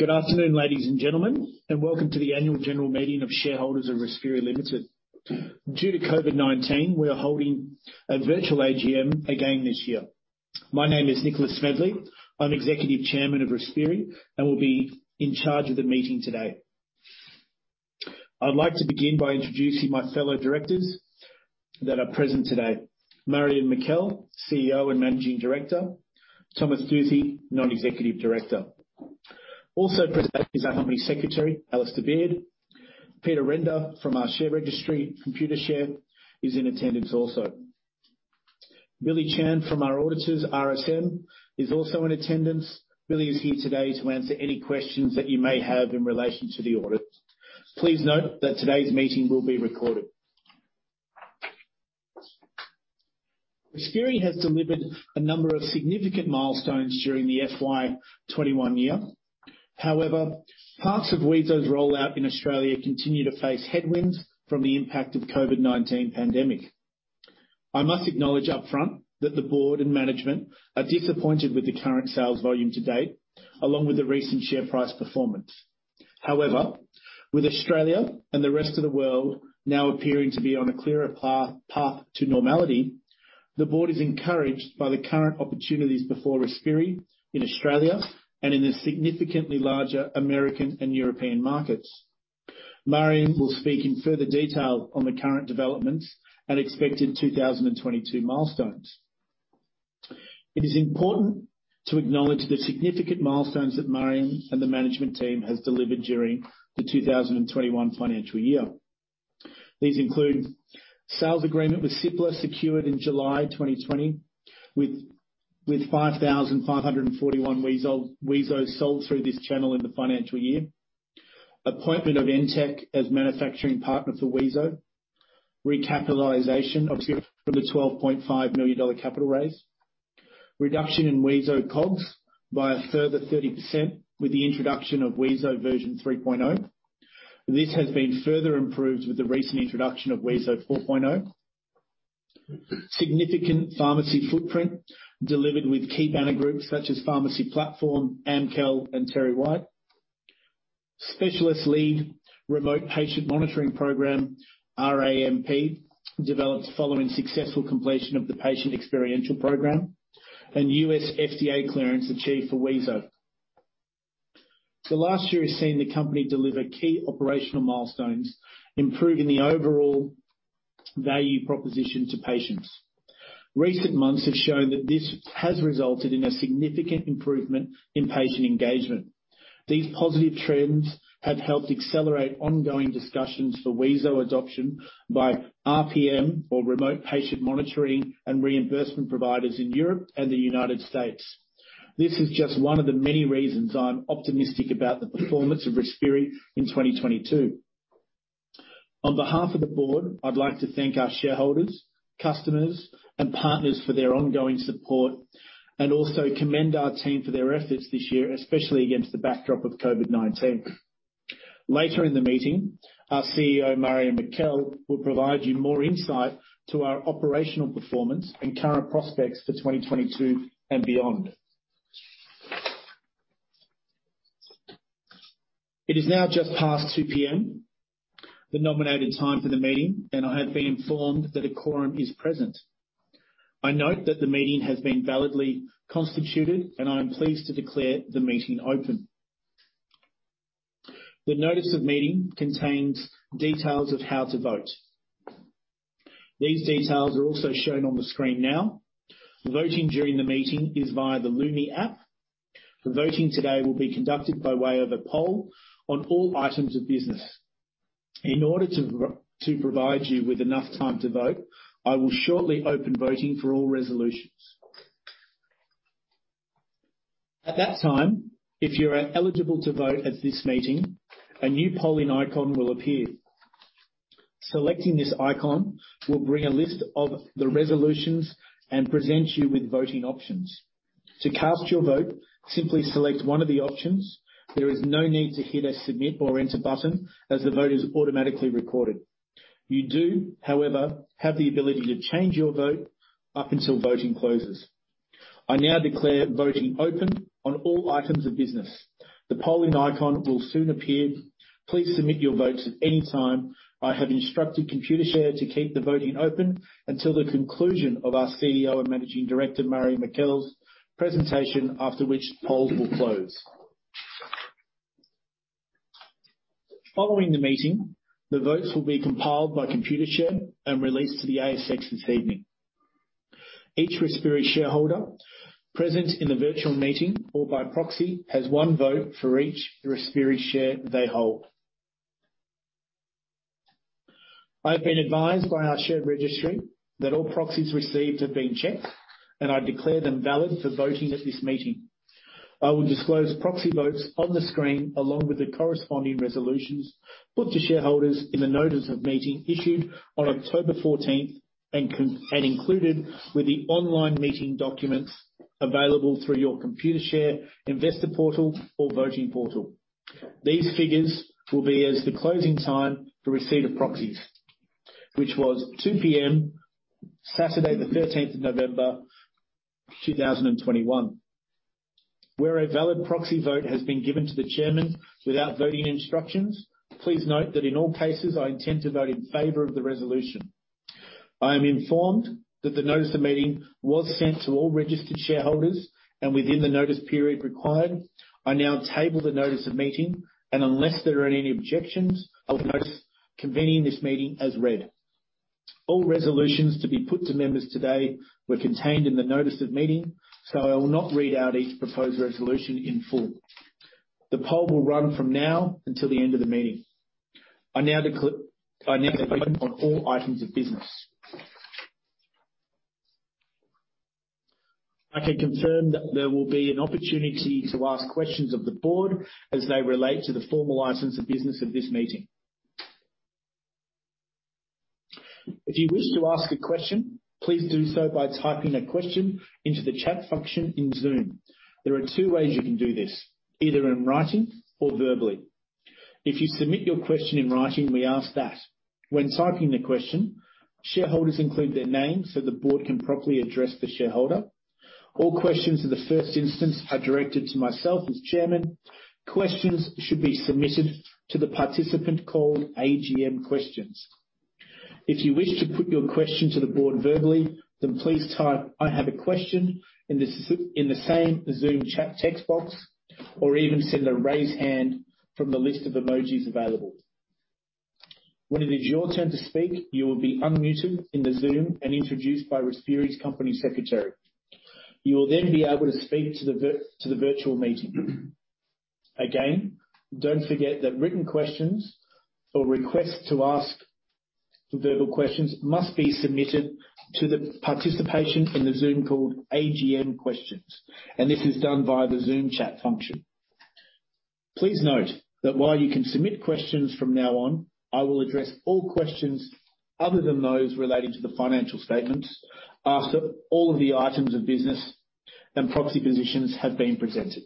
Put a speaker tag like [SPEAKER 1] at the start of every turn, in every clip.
[SPEAKER 1] Good afternoon, ladies and gentlemen, and welcome to the Annual General Meeting of Shareholders of Respiri Limited. Due to COVID-19, we are holding a virtual AGM again this year. My name is Nicholas Smedley. I'm Executive Chairman of Respiri, and will be in charge of the meeting today. I'd like to begin by introducing my fellow directors that are present today. Marjan Mikel, CEO and Managing Director. Thomas Duthy, Non-Executive Director. Also present is our company secretary, Alastair Beard. Peter Render from our share registry, Computershare, is in attendance also. Billy Chan from our auditors, RSM, is also in attendance. Billy is here today to answer any questions that you may have in relation to the audit. Please note that today's meeting will be recorded. Respiri has delivered a number of significant milestones during the FY 2021 year. However, parts of Wheezo's rollout in Australia continue to face headwinds from the impact of COVID-19 pandemic. I must acknowledge upfront that the board and management are disappointed with the current sales volume to date, along with the recent share price performance. However, with Australia and the rest of the world now appearing to be on a clearer path to normality, the board is encouraged by the current opportunities before Respiri in Australia and in the significantly larger American and European markets. Marjan will speak in further detail on the current developments and expected 2022 milestones. It is important to acknowledge the significant milestones that Marjan and the management team has delivered during the 2021 financial year. These include sales agreement with Cipla secured in July 2020, with 5,541 Wheezos sold through this channel in the financial year. Appointment of Entech as manufacturing partner for Wheezo. Recapitalization obtained from the 12.5 million dollar capital raise. Reduction in Wheezo COGS by a further 30% with the introduction of Wheezo version 3.0. This has been further improved with the recent introduction of Wheezo 4.0. Significant pharmacy footprint delivered with key banner groups such as Pharmacy Platform, Amcal and TerryWhite. Specialist-Led Remote Patient Monitoring program, RAMP, developed following successful completion of the Patient Experiential Program. U.S. FDA clearance achieved for Wheezo. The last year has seen the company deliver key operational milestones, improving the overall value proposition to patients. Recent months have shown that this has resulted in a significant improvement in patient engagement. These positive trends have helped accelerate ongoing discussions for Wheezo adoption by RPM or Remote Patient Monitoring and reimbursement providers in Europe and the United States. This is just one of the many reasons I'm optimistic about the performance of Respiri in 2022. On behalf of the board, I'd like to thank our shareholders, customers, and partners for their ongoing support, and also commend our team for their efforts this year, especially against the backdrop of COVID-19. Later in the meeting, our CEO, Marjan Mikel, will provide you more insight to our operational performance and current prospects for 2022 and beyond. It is now just past 2 P.M., the nominated time for the meeting, and I have been informed that a quorum is present. I note that the meeting has been validly constituted, and I am pleased to declare the meeting open. The notice of meeting contains details of how to vote. These details are also shown on the screen now. Voting during the meeting is via the Lumi app. The voting today will be conducted by way of a poll on all items of business. In order to provide you with enough time to vote, I will shortly open voting for all resolutions. At that time, if you're eligible to vote at this meeting, a new polling icon will appear. Selecting this icon will bring a list of the resolutions and present you with voting options. To cast your vote, simply select one of the options. There is no need to hit a Submit or Enter button, as the vote is automatically recorded. You do, however, have the ability to change your vote up until voting closes. I now declare voting open on all items of business. The polling icon will soon appear. Please submit your votes at any time. I have instructed Computershare to keep the voting open until the conclusion of our CEO and Managing Director, Marjan Mikel's presentation, after which polls will close. Following the meeting, the votes will be compiled by Computershare and released to the ASX this evening. Each Respiri shareholder present in the virtual meeting or by proxy has one vote for each Respiri share they hold. I have been advised by our share registry that all proxies received have been checked, and I declare them valid for voting at this meeting. I will disclose proxy votes on the screen, along with the corresponding resolutions put to shareholders in the notice of meeting issued on October 14 and included with the online meeting documents available through your Computershare investor portal or voting portal. These figures will be as at the closing time for receipt of proxies, which was 2 P.M., Saturday, the 13th November 2021. Where a valid proxy vote has been given to the chairman without voting instructions, please note that in all cases, I intend to vote in favor of the resolution. I am informed that the notice of meeting was sent to all registered shareholders and within the notice period required. I now table the notice of meeting, and unless there are any objections, I'll note convening this meeting as read. All resolutions to be put to members today were contained in the notice of meeting, so I will not read out each proposed resolution in full. The poll will run from now until the end of the meeting. I now vote on all items of business. I can confirm that there will be an opportunity to ask questions of the board as they relate to the formal license of business of this meeting. If you wish to ask a question, please do so by typing a question into the chat function in Zoom. There are two ways you can do this, either in writing or verbally. If you submit your question in writing, we ask that when typing the question, shareholders include their names so the board can properly address the shareholder. All questions in the first instance are directed to myself as chairman. Questions should be submitted to the participant called AGM Questions. If you wish to put your question to the board verbally, then please type, "I have a question", in the same Zoom chat text box, or even send a raise hand from the list of emojis available. When it is your turn to speak, you will be unmuted in the Zoom and introduced by Respiri's company secretary. You will then be able to speak to the virtual meeting. Again, don't forget that written questions or requests to ask verbal questions must be submitted to the participant in the Zoom called AGM Questions, and this is done via the Zoom chat function. Please note that while you can submit questions from now on, I will address all questions other than those relating to the financial statements after all of the items of business and proxy positions have been presented.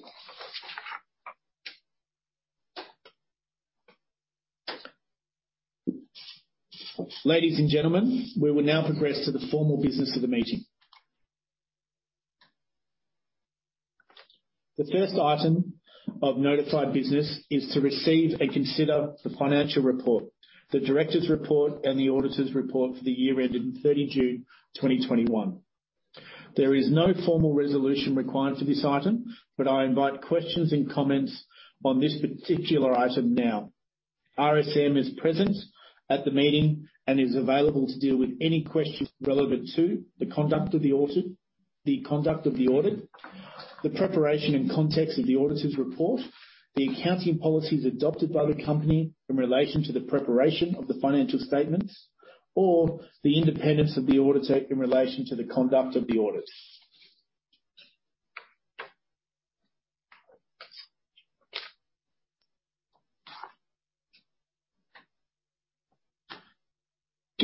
[SPEAKER 1] Ladies and gentlemen, we will now progress to the formal business of the meeting. The first item of notified business is to receive and consider the financial report, the director's report, and the auditor's report for the year ending 30 June 2021. There is no formal resolution required for this item, but I invite questions and comments on this particular item now. RSM is present at the meeting and is available to deal with any questions relevant to the conduct of the audit, the preparation and context of the auditor's report, the accounting policies adopted by the company in relation to the preparation of the financial statements or the independence of the auditor in relation to the conduct of the audit.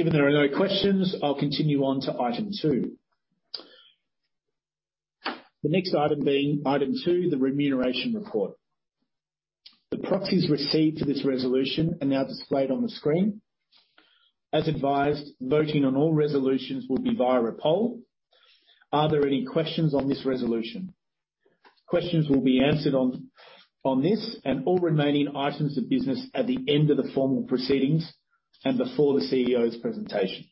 [SPEAKER 1] Given there are no questions, I'll continue on to item two. The next item being item two, the remuneration report. The proxies received for this resolution are now displayed on the screen. As advised, voting on all resolutions will be via a poll. Are there any questions on this resolution? Questions will be answered on this and all remaining items of business at the end of the formal proceedings and before the CEO's presentation.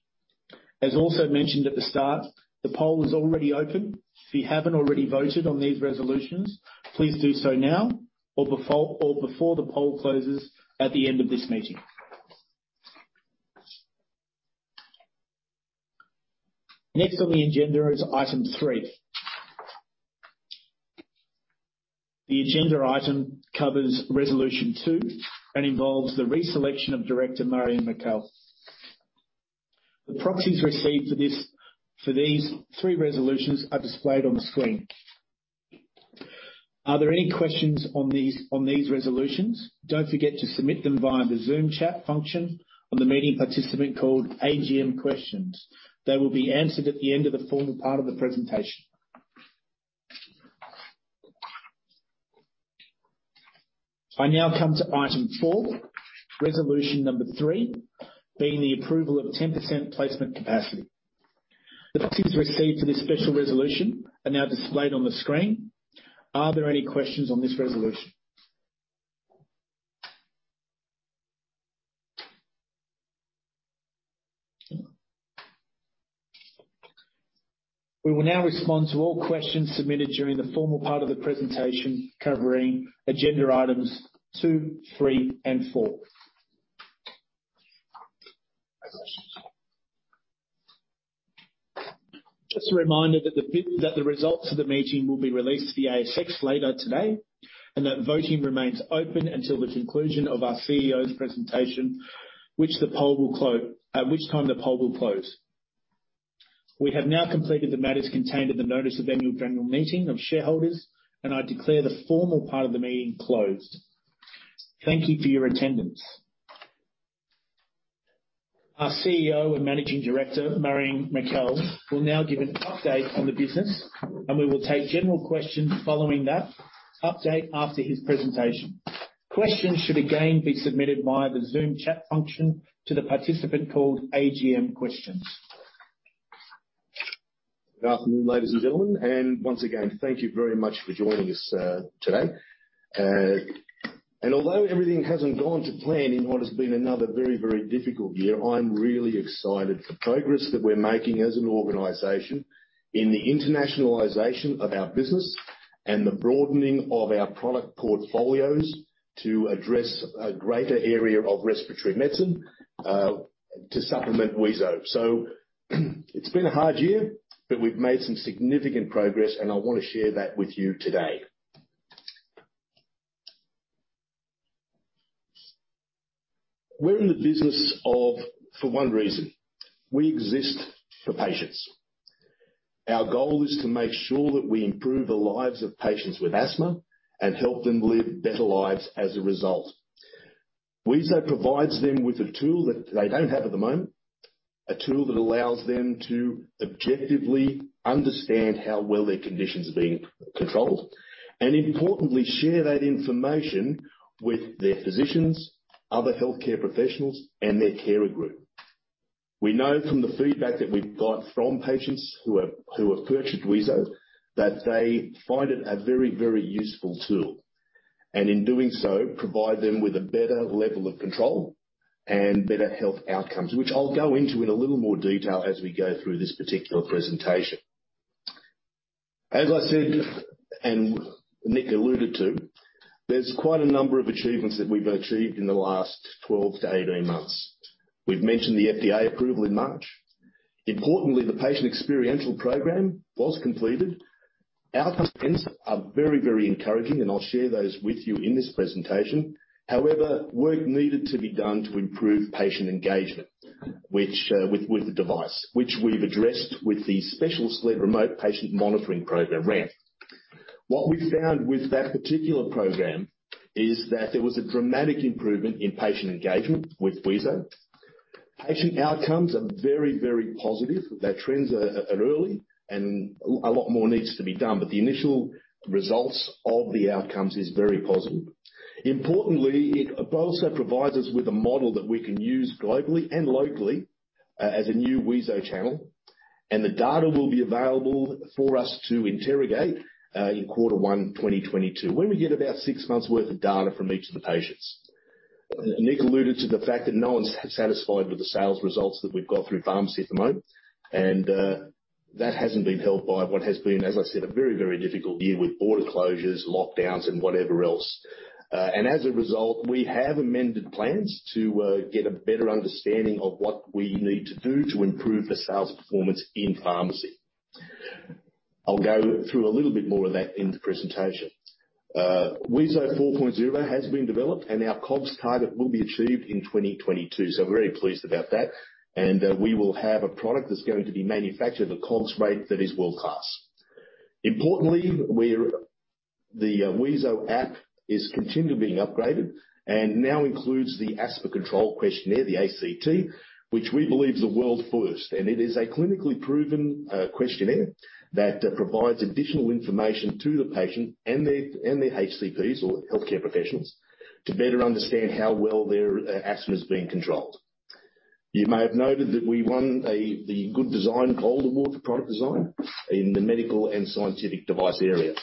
[SPEAKER 1] As also mentioned at the start, the poll is already open. If you haven't already voted on these resolutions, please do so now or before the poll closes at the end of this meeting. Next on the agenda is item three. The agenda item covers resolution two and involves the reselection of Director Marjan Mikel. The proxies received for these three resolutions are displayed on the screen. Are there any questions on these resolutions? Don't forget to submit them via the Zoom chat function on the meeting participant called AGM Questions. They will be answered at the end of the formal part of the presentation. I now come to item four, resolution number three, being the approval of 10% placement capacity. The proxies received for this special resolution are now displayed on the screen. Are there any questions on this resolution? We will now respond to all questions submitted during the formal part of the presentation covering agenda items two, three, and four. No questions. Just a reminder that the results of the meeting will be released to the ASX later today, and that voting remains open until the conclusion of our CEO's presentation, at which time the poll will close. We have now completed the matters contained in the notice of annual general meeting of shareholders, and I declare the formal part of the meeting closed. Thank you for your attendance. Our CEO and Managing Director, Marjan Mikel, will now give an update on the business, and we will take general questions following that update after his presentation. Questions should again be submitted via the Zoom chat function to the participant called AGM Questions.
[SPEAKER 2] Good afternoon, ladies and gentlemen, and once again, thank you very much for joining us today. Although everything hasn't gone to plan in what has been another very, very difficult year, I'm really excited for progress that we're making as an organization in the internationalization of our business and the broadening of our product portfolios to address a greater area of respiratory medicine to supplement Wheezo. It's been a hard year, but we've made some significant progress, and I wanna share that with you today. We're in the business for one reason, we exist for patients. Our goal is to make sure that we improve the lives of patients with asthma and help them live better lives as a result. Wheezo provides them with a tool that they don't have at the moment, a tool that allows them to objectively understand how well their conditions are being controlled, and importantly, share that information with their physicians, other healthcare professionals, and their carer group. We know from the feedback that we've got from patients who have purchased Wheezo, that they find it a very, very useful tool, and in doing so, provide them with a better level of control and better health outcomes, which I'll go into in a little more detail as we go through this particular presentation. As I said, and Nick alluded to, there's quite a number of achievements that we've achieved in the last 12-18 months. We've mentioned the FDA approval in March. Importantly, the Patient Experiential Program was completed. Outcomes are very, very encouraging, and I'll share those with you in this presentation. However, work needed to be done to improve patient engagement, which with the device, which we've addressed with the Specialist-Led Remote Patient Monitoring program, RAMP. What we found with that particular program is that there was a dramatic improvement in patient engagement with Wheezo. Patient outcomes are very, very positive. Their trends are early and a lot more needs to be done, but the initial results of the outcomes is very positive. Importantly, it also provides us with a model that we can use globally and locally as a new Wheezo channel, and the data will be available for us to interrogate in quarter one 2022, when we get about six months' worth of data from each of the patients. Nick alluded to the fact that no one's satisfied with the sales results that we've got through pharmacy at the moment, and that hasn't been helped by what has been, as I said, a very, very difficult year with border closures, lockdowns, and whatever else. As a result, we have amended plans to get a better understanding of what we need to do to improve the sales performance in pharmacy. I'll go through a little bit more of that in the presentation. Wheezo 4.0 has been developed, and our COGS target will be achieved in 2022. We're very pleased about that, and we will have a product that's going to be manufactured at a COGS rate that is world-class. Importantly, the Wheezo app is continually being upgraded, and now includes the Asthma Control Questionnaire, the ACT, which we believe is a world first, and it is a clinically proven questionnaire that provides additional information to the patient and their HCPs or healthcare professionals, to better understand how well their asthma is being controlled. You may have noted that we won the Good Design Gold Award for product design in the medical and scientific device areas.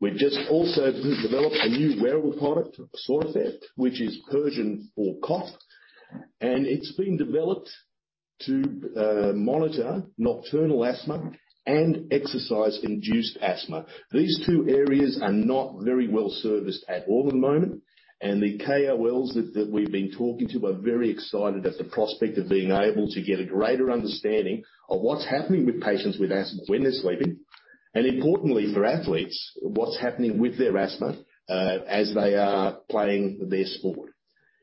[SPEAKER 2] We've just also developed a new wearable product, Sorfeh, which is Persian for cough, and it's been developed to monitor nocturnal asthma and exercise-induced asthma. These two areas are not very well-serviced at all at the moment, and the KOLs that we've been talking to are very excited at the prospect of being able to get a greater understanding of what's happening with patients with asthma when they're sleeping, and importantly for athletes, what's happening with their asthma as they are playing their sport.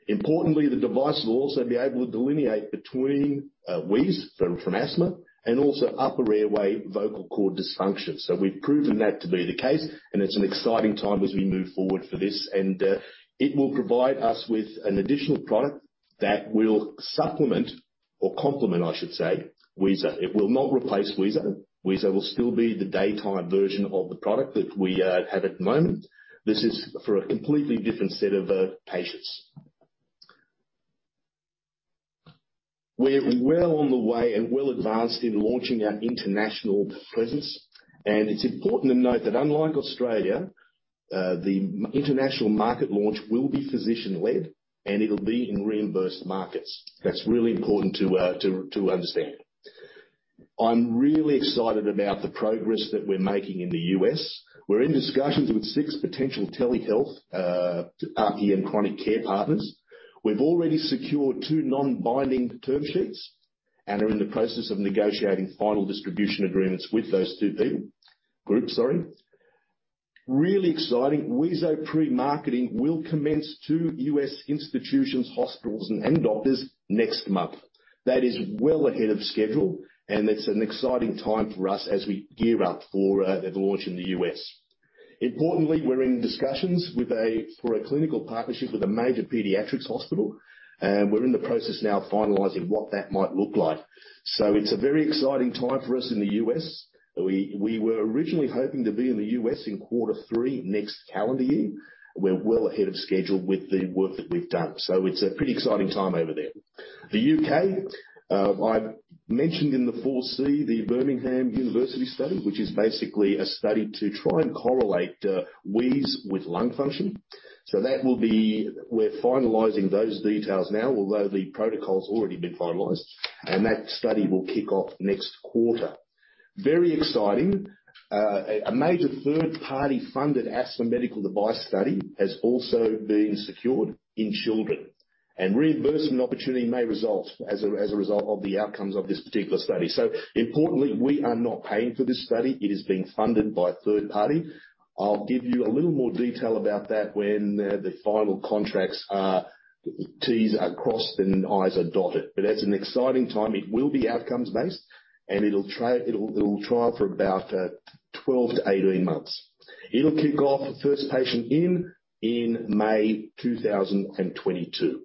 [SPEAKER 2] Importantly, the device will also be able to delineate between wheeze from asthma and also upper airway vocal cord dysfunction. We've proven that to be the case, and it's an exciting time as we move forward for this. It will provide us with an additional product that will supplement or complement, I should say, Wheezo. It will not replace Wheezo. Wheezo will still be the daytime version of the product that we have at the moment. This is for a completely different set of patients. We're well on the way and well advanced in launching our international presence, and it's important to note that unlike Australia, the international market launch will be physician-led, and it'll be in reimbursed markets. That's really important to understand. I'm really excited about the progress that we're making in the U.S. We're in discussions with six potential telehealth, PE and chronic care partners. We've already secured two non-binding term sheets and are in the process of negotiating final distribution agreements with those two groups, sorry. Really exciting. Wheezo pre-marketing will commence to U.S. institutions, hospitals, and doctors next month. That is well ahead of schedule, and it's an exciting time for us as we gear up for the launch in the U.S. Importantly, we're in discussions for a clinical partnership with a major pediatrics hospital, and we're in the process now of finalizing what that might look like. It's a very exciting time for us in the U.S. We were originally hoping to be in the U.S. in quarter three next calendar year. We're well ahead of schedule with the work that we've done. It's a pretty exciting time over there. The U.K., I mentioned in the 4C, the Birmingham university study, which is basically a study to try and correlate wheeze with lung function. We're finalizing those details now, although the protocol's already been finalized, and that study will kick off next quarter. Very exciting. A major third-party funded asthma medical device study has also been secured in children, and reimbursement opportunity may result as a result of the outcomes of this particular study. Importantly, we are not paying for this study. It is being funded by a third party. I'll give you a little more detail about that when the final contracts are, T's are crossed and I's are dotted. That's an exciting time. It will be outcomes-based, and it'll trial for about 12-18 months. It'll kick off the first patient in May 2022.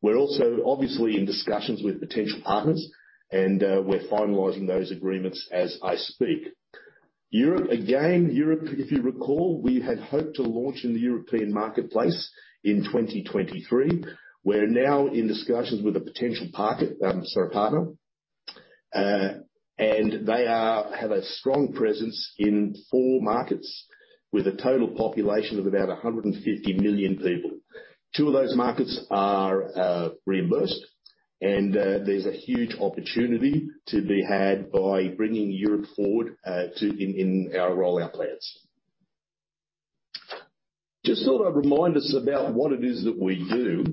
[SPEAKER 2] We're also obviously in discussions with potential partners and we're finalizing those agreements as I speak. Europe again, if you recall, we had hoped to launch in the European marketplace in 2023. We're now in discussions with a potential partner. They have a strong presence in four markets with a total population of about 150 million people. Two of those markets are reimbursed, and there's a huge opportunity to be had by bringing Europe forward in our rollout plans. Just thought I'd remind us about what it is that we do.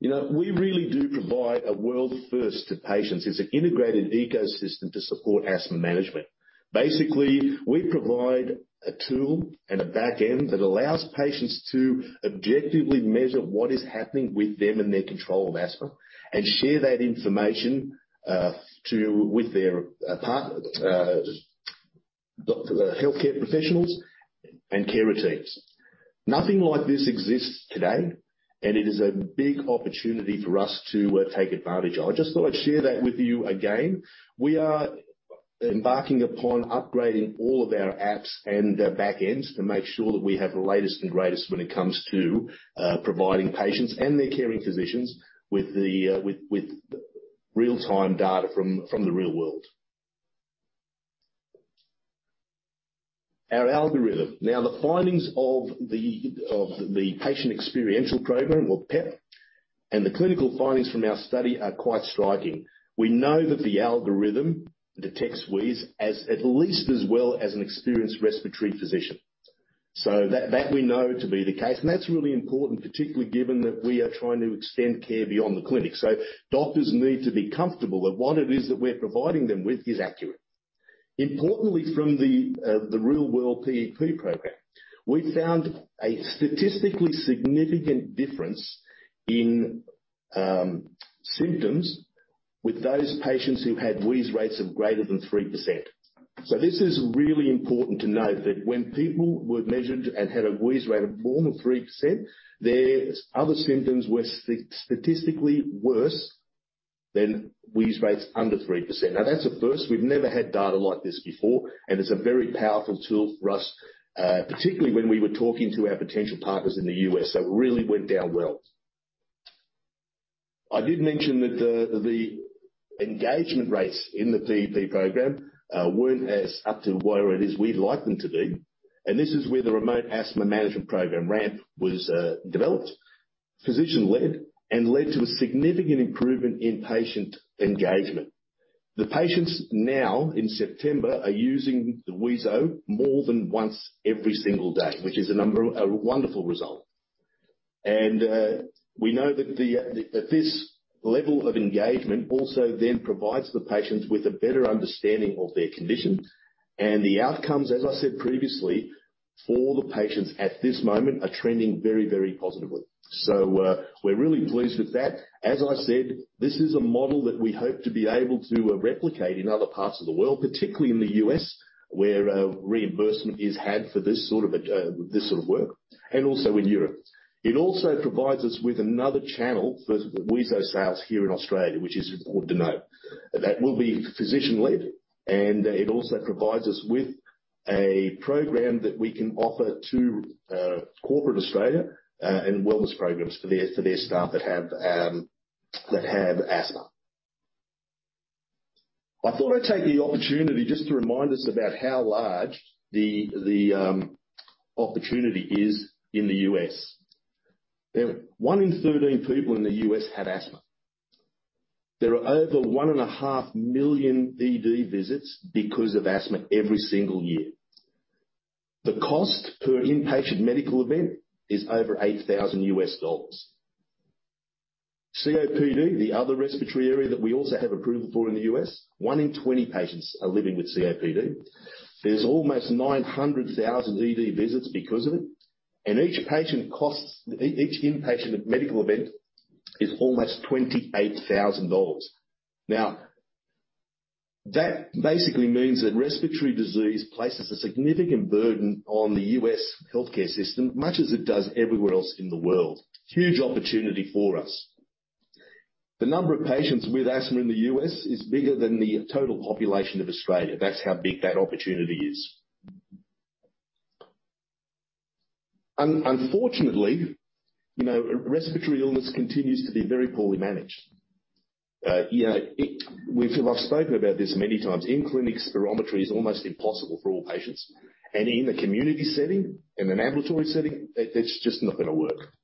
[SPEAKER 2] You know, we really do provide a world first to patients. It's an integrated ecosystem to support asthma management. Basically, we provide a tool and a back end that allows patients to objectively measure what is happening with them and their control of asthma and share that information with their doctor, healthcare professionals and carer teams. Nothing like this exists today, and it is a big opportunity for us to take advantage of. I just thought I'd share that with you again. We are embarking upon upgrading all of our apps and the back ends to make sure that we have the latest and greatest when it comes to providing patients and their caring physicians with real-time data from the real world. Our algorithm. Now, the findings of the Patient Experiential Program or PEP and the clinical findings from our study are quite striking. We know that the algorithm detects wheeze as at least as well as an experienced respiratory physician. So that we know to be the case, and that's really important, particularly given that we are trying to extend care beyond the clinic. Doctors need to be comfortable that what it is that we're providing them with is accurate. Importantly, from the real-world PEP program, we found a statistically significant difference in symptoms with those patients who had wheeze rates of greater than 3%. This is really important to note that when people were measured and had a wheeze rate of more than 3%, their other symptoms were statistically worse than wheeze rates under 3%. Now, that's a first. We've never had data like this before, and it's a very powerful tool for us, particularly when we were talking to our potential partners in the U.S., so it really went down well. I did mention that the engagement rates in the PEP program weren't as up to where it is we'd like them to be, and this is where the Remote Asthma Management Program, RAMP, was developed, physician-led, and led to a significant improvement inpatient engagement. The patients now in September are using the Wheezo more than once every single day, which is a number, a wonderful result. We know that this level of engagement also then provides the patients with a better understanding of their condition. The outcomes, as I said previously, for the patients at this moment are trending very, very positively. We're really pleased with that. As I said, this is a model that we hope to be able to replicate in other parts of the world, particularly in the U.S., where reimbursement is had for this sort of work, and also in Europe. It also provides us with another channel for Wheezo sales here in Australia, which is important to note. That will be physician-led, and it also provides us with a program that we can offer to corporate Australia, and wellness programs for their staff that have asthma. I thought I'd take the opportunity just to remind us about how large the opportunity is in the U.S. One in 13 people in the U.S. have asthma. There are over 1.5 million ED visits because of asthma every single year. The cost per inpatient medical event is over $8,000. COPD, the other respiratory area that we also have approval for in the U.S., 1 in 20 patients are living with COPD. There's almost 900,000 ED visits because of it, and each inpatient medical event is almost $28,000. Now, that basically means that respiratory disease places a significant burden on the U.S. healthcare system, much as it does everywhere else in the world. Huge opportunity for us. The number of patients with asthma in the U.S. is bigger than the total population of Australia. That's how big that opportunity is. Unfortunately, you know, respiratory illness continues to be very poorly managed. We've spoken about this many times. In clinic, spirometry is almost impossible for all patients. In a community setting, in an ambulatory setting, that's just not gonna work.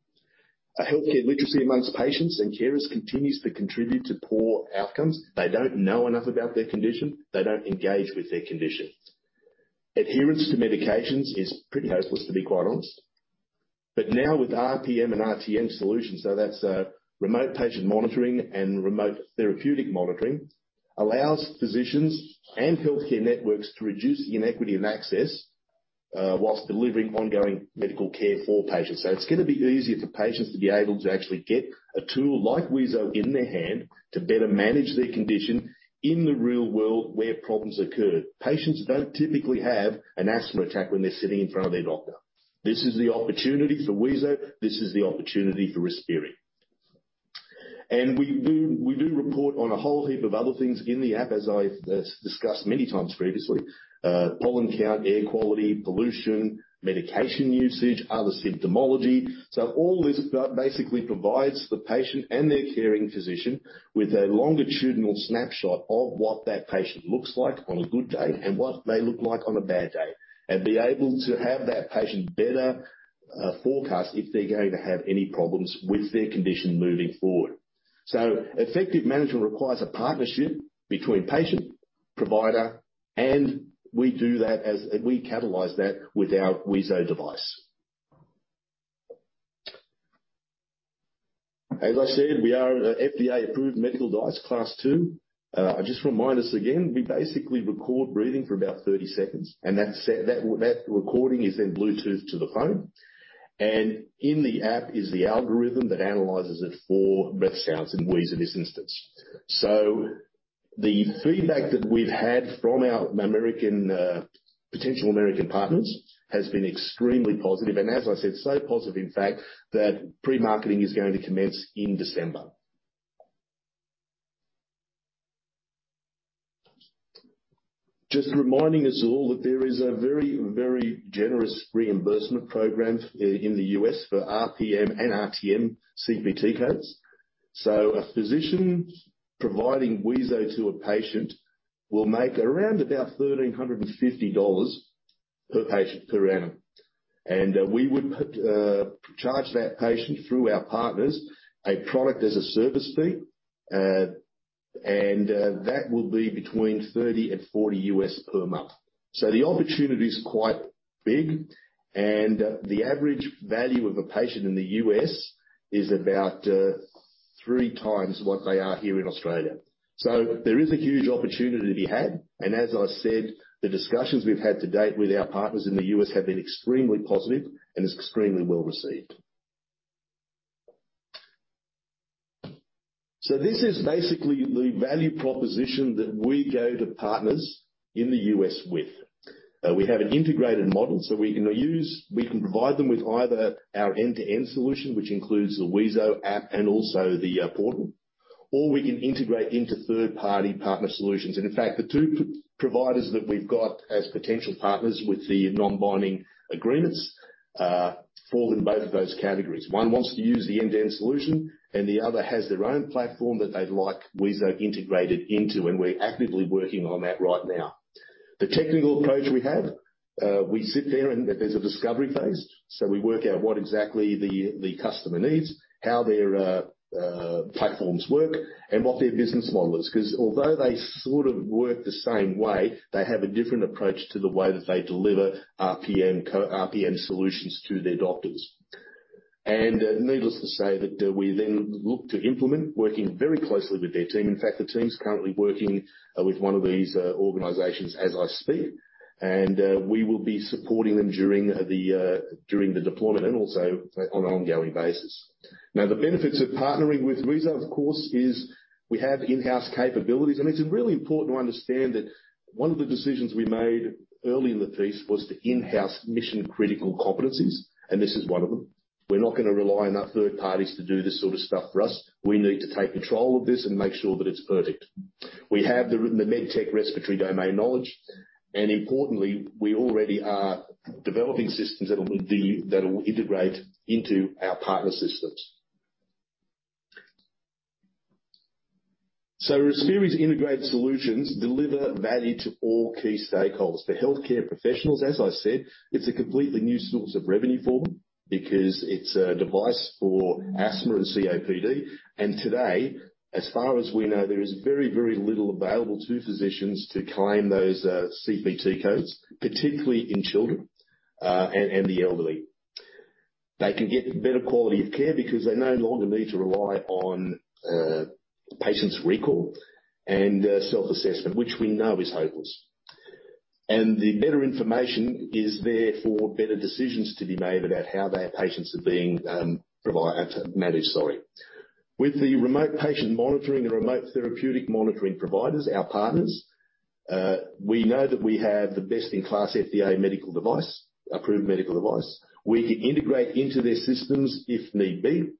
[SPEAKER 2] Healthcare literacy among patients and carers continues to contribute to poor outcomes. They don't know enough about their condition. They don't engage with their condition. Adherence to medications is pretty hopeless, to be quite honest. Now with RPM and RTM solutions, that's Remote Patient Monitoring and Remote Therapeutic Monitoring, allows physicians and healthcare networks to reduce inequity in access, while delivering ongoing medical care for patients. It's gonna be easier for patients to be able to actually get a tool like Wheezo in their hand to better manage their condition in the real world where problems occur. Patients don't typically have an asthma attack when they're sitting in front of their doctor. This is the opportunity for Wheezo. This is the opportunity for Respiri. We report on a whole heap of other things in the app, as I've discussed many times previously. Pollen count, air quality, pollution, medication usage, other symptomology. All this basically provides the patient and their caring physician with a longitudinal snapshot of what that patient looks like on a good day and what they look like on a bad day, and be able to have that patient better forecast if they're going to have any problems with their condition moving forward. Effective management requires a partnership between patient, provider, and we catalyze that with our Wheezo device. As I said, we are an FDA-approved medical device, Class II. I'll just remind us again, we basically record breathing for about 30 seconds, and that's it. That recording is then Bluetoothed to the phone. In the app is the algorithm that analyzes it for breath sounds and wheeze in this instance. The feedback that we've had from our American potential American partners has been extremely positive. As I said, so positive, in fact, that pre-marketing is going to commence in December. Just reminding us all that there is a very, very generous reimbursement program in the U.S. for RPM and RTM CPT codes. A physician providing Wheezo to a patient will make around about $1,350 per patient per annum. We would charge that patient through our partners a product-as-a-service fee. That will be between $30-$40 per month. The opportunity is quite big, and the average value of a patient in the U.S. is about three times what they are here in Australia. There is a huge opportunity to be had. As I said, the discussions we've had to date with our partners in the U.S. have been extremely positive and it's extremely well-received. This is basically the value proposition that we go to partners in the U.S. with. We have an integrated model, so we can provide them with either our end-to-end solution, which includes the Wheezo app and also the portal, or we can integrate into third-party partner solutions. In fact, the two providers that we've got as potential partners with the non-binding agreements fall in both of those categories. One wants to use the end-to-end solution, and the other has their own platform that they'd like Wheezo integrated into, and we're actively working on that right now. The technical approach we have, we sit there and there's a discovery phase. We work out what exactly the customer needs, how their platforms work, and what their business model is. 'Cause although they sort of work the same way, they have a different approach to the way that they deliver RPM solutions to their doctors. Needless to say that, we then look to implement working very closely with their team. In fact, the team's currently working with one of these organizations as I speak, and we will be supporting them during the deployment and also on an ongoing basis. Now, the benefits of partnering with Wheezo, of course, is we have in-house capabilities. It's really important to understand that one of the decisions we made early in the piece was to in-house mission-critical competencies, and this is one of them. We're not gonna rely on our third parties to do this sort of stuff for us. We need to take control of this and make sure that it's perfect. We have the medtech respiratory domain knowledge, and importantly, we already are developing systems that'll integrate into our partner systems. Respiri's integrated solutions deliver value to all key stakeholders. For healthcare professionals, as I said, it's a completely new source of revenue for them because it's a device for asthma and COPD. Today, as far as we know, there is very, very little available to physicians to claim those CPT codes, particularly in children and the elderly. They can get better quality of care because they no longer need to rely on patient's recall and self-assessment, which we know is hopeless. The better information is therefore better decisions to be made about how their patients are being managed. With the Remote Patient Monitoring, the Remote Therapeutic Monitoring providers, our partners, we know that we have the best-in-class FDA medical device, approved medical device. We can integrate into their systems if need be.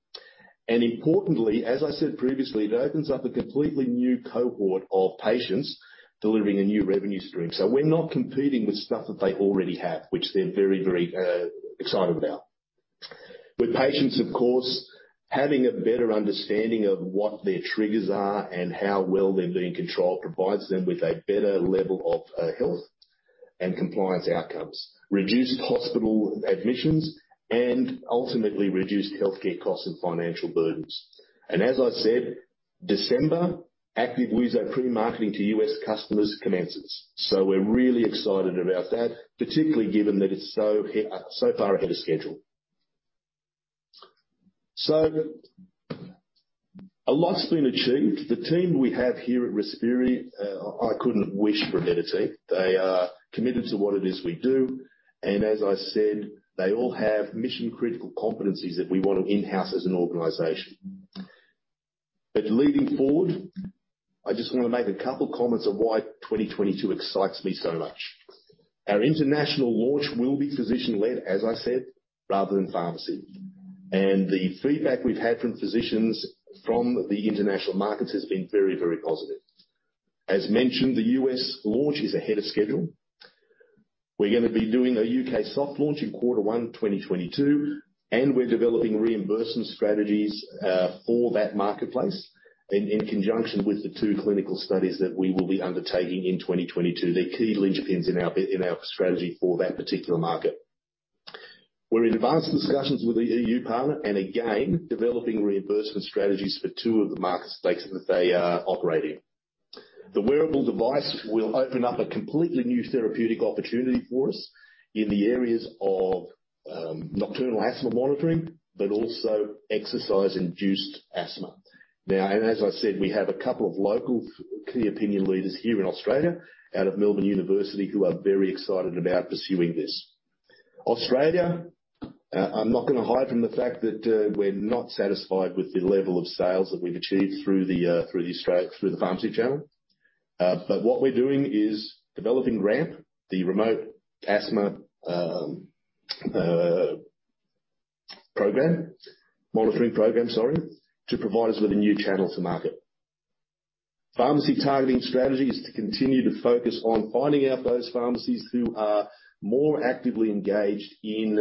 [SPEAKER 2] Importantly, as I said previously, it opens up a completely new cohort of patients delivering a new revenue stream. We're not competing with stuff that they already have, which they're very excited about. With patients, of course, having a better understanding of what their triggers are and how well they're being controlled provides them with a better level of health and compliance outcomes, reduced hospital admissions, and ultimately reduced healthcare costs and financial burdens. As I said, December, active Wheezo pre-marketing to U.S. customers commences. We're really excited about that, particularly given that it's so far ahead of schedule. A lot's been achieved. The team we have here at Respiri, I couldn't wish for a better team. They are committed to what it is we do, and as I said, they all have mission-critical competencies that we want to in-house as an organization. Leading forward, I just wanna make a couple comments on why 2022 excites me so much. Our international launch will be physician-led, as I said, rather than pharmacy. The feedback we've had from physicians from the international markets has been very, very positive. As mentioned, the U.S. launch is ahead of schedule. We're gonna be doing a U.K. soft launch in quarter one 2022, and we're developing reimbursement strategies for that marketplace in conjunction with the two clinical studies that we will be undertaking in 2022. They're key linchpins in our strategy for that particular market. We're in advanced discussions with the EU partner and again, developing reimbursement strategies for two of the market stakes that they are operating. The wearable device will open up a completely new therapeutic opportunity for us in the areas of nocturnal asthma monitoring, but also exercise-induced asthma. Now, as I said, we have a couple of local key opinion leaders here in Australia out of the Melbourne University who are very excited about pursuing this. Australia, I'm not gonna hide from the fact that we're not satisfied with the level of sales that we've achieved through the pharmacy channel. What we're doing is developing RAMP, the Remote Asthma Monitoring Program, to provide us with a new channel to market. Pharmacy targeting strategy is to continue to focus on finding out those pharmacies who are more actively engaged in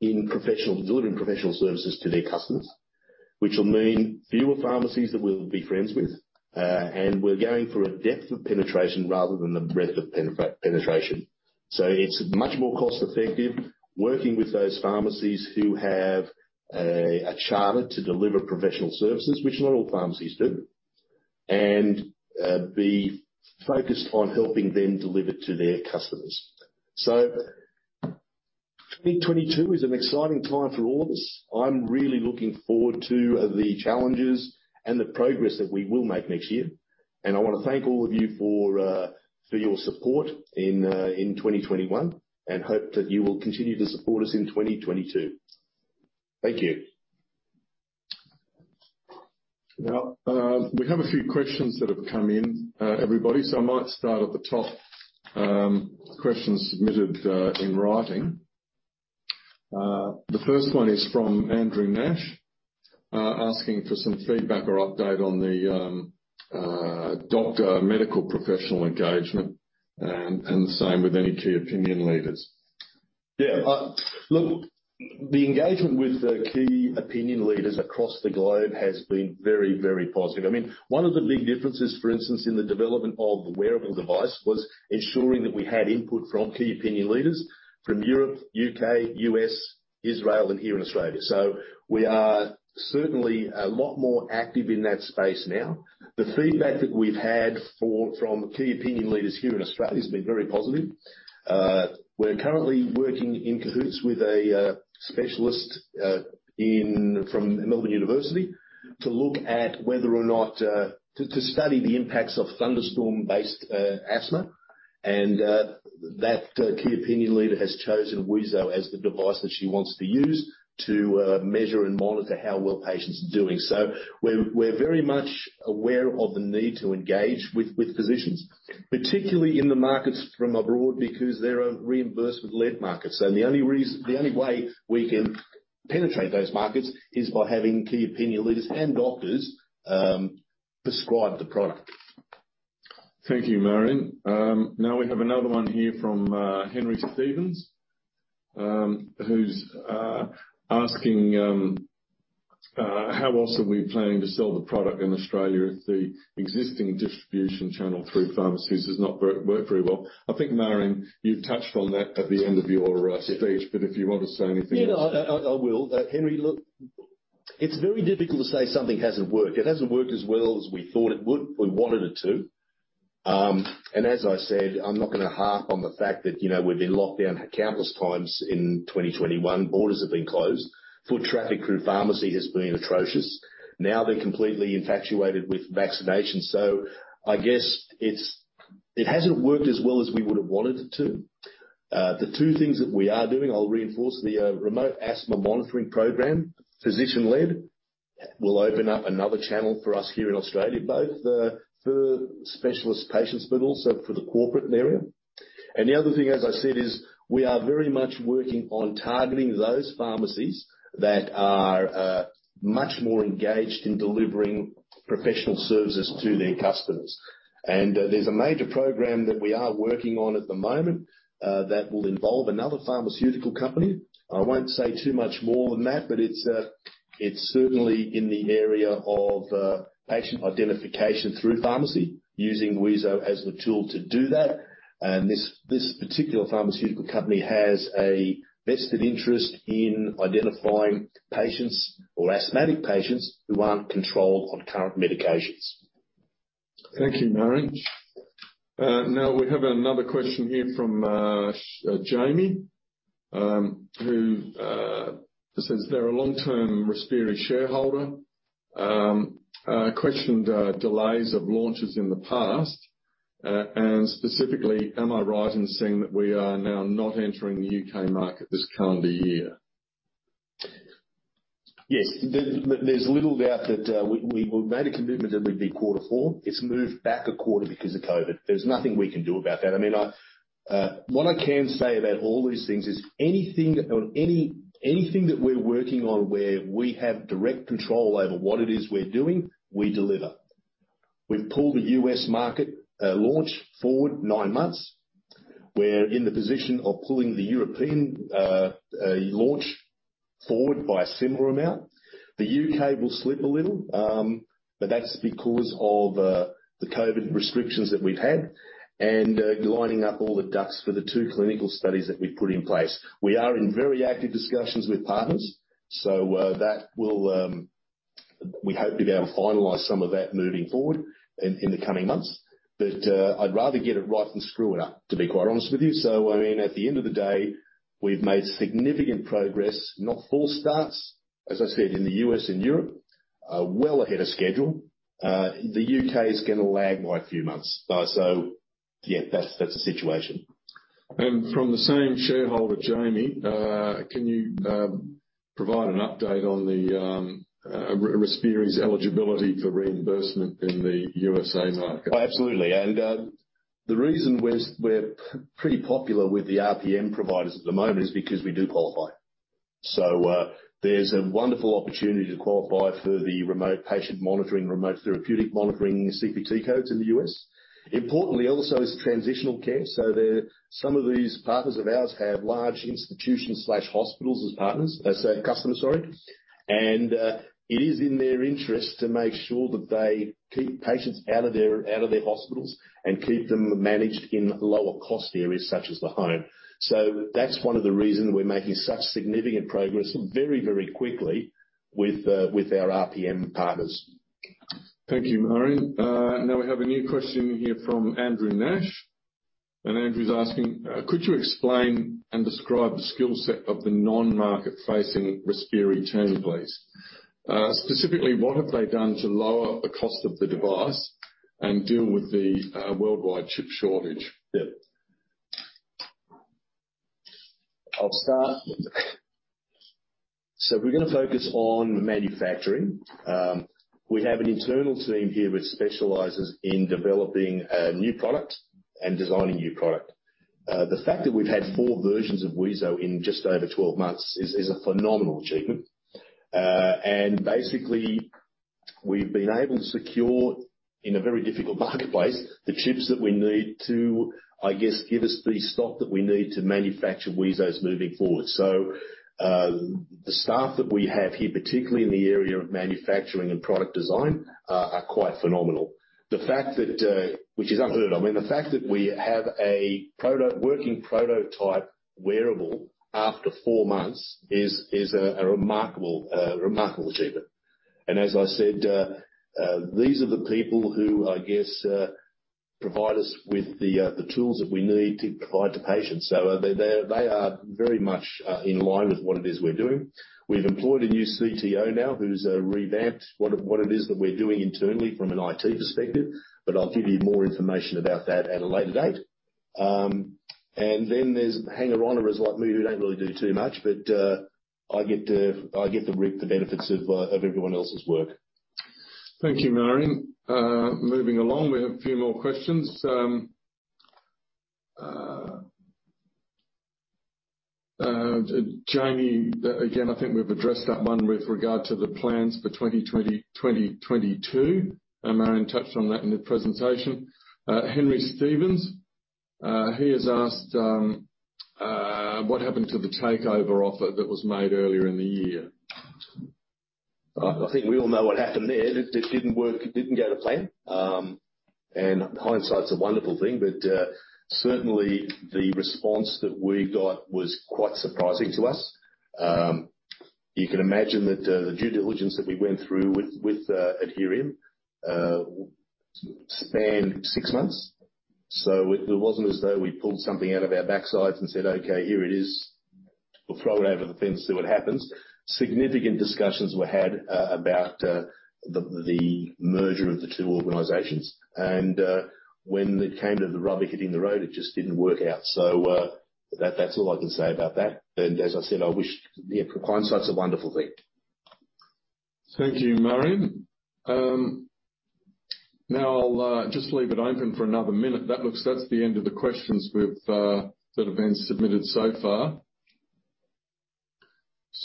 [SPEAKER 2] delivering professional services to their customers, which will mean fewer pharmacies that we'll be friends with, and we're going for a depth of penetration rather than the breadth of penetration. It's much more cost-effective working with those pharmacies who have a charter to deliver professional services, which not all pharmacies do, and be focused on helping them deliver to their customers. 2022 is an exciting time for all of us. I'm really looking forward to the challenges and the progress that we will make next year, and I wanna thank all of you for your support in 2021, and hope that you will continue to support us in 2022. Thank you.
[SPEAKER 3] Now, we have a few questions that have come in, everybody, so I might start at the top, questions submitted in writing. The first one is from Andrew Nash, asking for some feedback or update on the doctor medical professional engagement and the same with any key opinion leaders.
[SPEAKER 2] Yeah. Look, the engagement with the Key Opinion Leaders across the globe has been very, very positive. I mean, one of the big differences, for instance, in the development of the wearable device was ensuring that we had input from Key Opinion Leaders from Europe, U.K., U.S., Israel, and here in Australia. We are certainly a lot more active in that space now. The feedback that we've had from Key Opinion Leaders here in Australia has been very positive. We're currently working in cahoots with a specialist from the Melbourne University to look at whether or not to study the impacts of thunderstorm-based asthma. That Key Opinion Leader has chosen Wheezo as the device that she wants to use to measure and monitor how well patients are doing. We're very much aware of the need to engage with physicians, particularly in the markets from abroad because they're a reimbursement-led market. The only way we can penetrate those markets is by having Key Opinion Leaders and doctors prescribe the product.
[SPEAKER 3] Thank you, Marjan. Now we have another one here from Henry Stevens, who's asking how else are we planning to sell the product in Australia if the existing distribution channel through pharmacies has not worked very well? I think, Marjan, you've touched on that at the end of your speech, but if you want to say anything else.
[SPEAKER 2] Yeah. No, I will. Henry, look, it's very difficult to say something hasn't worked. It hasn't worked as well as we thought it would or wanted it to. As I said, I'm not gonna harp on the fact that, you know, we've been locked down countless times in 2021. Borders have been closed. Foot traffic through pharmacy has been atrocious. Now they're completely infatuated with vaccinations. I guess it hasn't worked as well as we would have wanted it to. The two things that we are doing, I'll reinforce the Remote Asthma Monitoring program, physician-led. That will open up another channel for us here in Australia, both the specialist patient hospitals, so for the corporate area. The other thing, as I said, is we are very much working on targeting those pharmacies that are much more engaged in delivering professional services to their customers. There's a major program that we are working on at the moment that will involve another pharmaceutical company. I won't say too much more than that, but it's certainly in the area of patient identification through pharmacy using Wheezo as the tool to do that. This particular pharmaceutical company has a vested interest in identifying patients or asthmatic patients who aren't controlled on current medications.
[SPEAKER 3] Thank you, Marjan. Now we have another question here from Jamie, who says, "They're a long-term Respiri shareholder who questioned delays of launches in the past. And specifically, am I right in saying that we are now not entering the U.K. market this calendar year?
[SPEAKER 2] Yes. There's little doubt that we made a commitment that we'd be quarter four. It's moved back a quarter because of COVID. There's nothing we can do about that. I mean, what I can say about all these things is anything that we're working on where we have direct control over what it is we're doing, we deliver. We've pulled the U.S. market launch forward nine months. We're in the position of pulling the European launch forward by a similar amount. The U.K. will slip a little, but that's because of the COVID restrictions that we've had and lining up all the ducks for the two clinical studies that we've put in place. We are in very active discussions with partners, so that will, we hope to be able to finalize some of that moving forward in the coming months. I'd rather get it right than screw it up, to be quite honest with you. I mean, at the end of the day, we've made significant progress, not false starts. As I said, in the U.S. and Europe, well ahead of schedule. The U.K. is gonna lag by a few months. Yeah, that's the situation.
[SPEAKER 3] From the same shareholder, Jamie, can you provide an update on the Respiri's eligibility for reimbursement in the USA market?
[SPEAKER 2] Absolutely. The reason we're pretty popular with the RPM providers at the moment is because we do qualify. There's a wonderful opportunity to qualify for the Remote Patient Monitoring, Remote Therapeutic Monitoring CPT codes in the U.S. Importantly also is transitional care. Some of these partners of ours have large institutions, hospitals as partners. They say customers, sorry. It is in their interest to make sure that they keep patients out of their hospitals and keep them managed in lower cost areas such as the home. That's one of the reasons we're making such significant progress very, very quickly with our RPM partners.
[SPEAKER 3] Thank you, Marjan. Now we have a new question here from Andrew Nash. Andrew's asking, "Could you explain and describe the skill set of the non-market facing Respiri team, please? Specifically, what have they done to lower the cost of the device and deal with the worldwide chip shortage?
[SPEAKER 2] Yeah. I'll start. We're gonna focus on manufacturing. We have an internal team here which specializes in developing new product and designing new product. The fact that we've had four versions of Wheezo in just over 12 months is a phenomenal achievement. Basically, we've been able to secure, in a very difficult marketplace, the chips that we need to give us the stock that we need to manufacture Wheezos moving forward. The staff that we have here, particularly in the area of manufacturing and product design, are quite phenomenal. I mean, the fact that we have a proto-working prototype wearable after four months is a remarkable achievement. As I said, these are the people who, I guess, provide us with the tools that we need to provide to patients. They are very much in line with what it is we're doing. We've employed a new CTO now who's revamped what it is that we're doing internally from an IT perspective, but I'll give you more information about that at a later date. Then there's hangers-on like me who don't really do too much, but I get to reap the benefits of everyone else's work.
[SPEAKER 3] Thank you, Marjan. Moving along, we have a few more questions. Jamie, I think we've addressed that one with regard to the plans for 2022, and Marjan touched on that in the presentation. Henry Stevens, he has asked, "What happened to the takeover offer that was made earlier in the year?
[SPEAKER 2] I think we all know what happened there. It didn't work. It didn't go to plan. Hindsight's a wonderful thing, but certainly the response that we got was quite surprising to us. You can imagine that the due diligence that we went through with Adherium spanned six months. It wasn't as though we pulled something out of our backsides and said, "Okay, here it is. We'll throw it over the fence, see what happens." Significant discussions were had about the merger of the two organizations. When it came to the rubber hitting the road, it just didn't work out. That's all I can say about that. As I said, I wish. Yeah, hindsight's a wonderful thing.
[SPEAKER 3] Thank you, Marjan. Now I'll just leave it open for another minute. That looks. That's the end of the questions that have been submitted so far.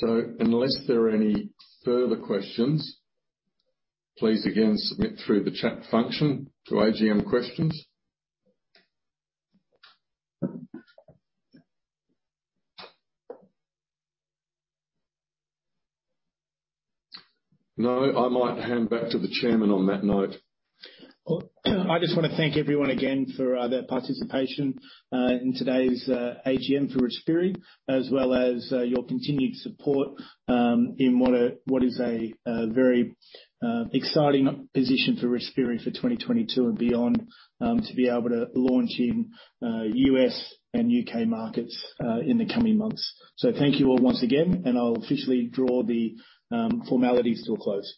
[SPEAKER 3] Unless there are any further questions, please again submit through the chat function to AGM Questions. No? I might hand back to the chairman on that note.
[SPEAKER 1] Well, I just wanna thank everyone again for their participation in today's AGM through Respiri, as well as your continued support in what is a very exciting position for Respiri for 2022 and beyond, to be able to launch in U.S. and U.K. markets in the coming months. Thank you all once again, and I'll officially draw the formalities to a close.